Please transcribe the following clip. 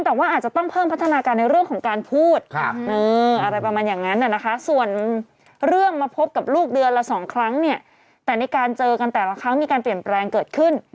แต่ในการเจอกันแต่ละครั้งมีการเปลี่ยนแปลงเกิดขึ้น